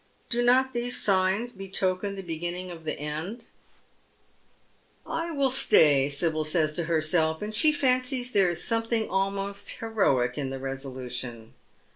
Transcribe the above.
Do not these signs betoken the beginning of the end ?" I will stay," Sibyl says to herself, and she fancies there is something almost heroic in the resolution.